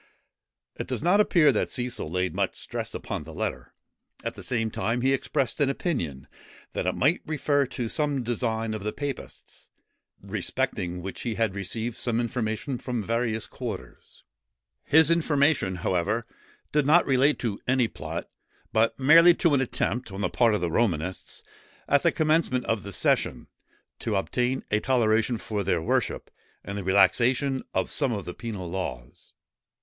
It does not appear that Cecil laid much stress upon the letter; at the same time he expressed an opinion, that it might refer to some design of the papists, respecting which he had received some information from various quarters. His information, however, did not relate to any plot; but merely to an attempt, on the part of the Romanists, at the commencement of the session, to obtain a toleration for their worship, and the relaxation of some of the penal laws.